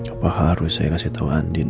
apa harus saya kasih tahu andin